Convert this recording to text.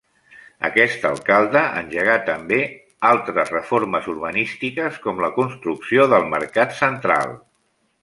Aquest alcalde engegà també altres reformes urbanístiques, com la construcció del Mercat Central.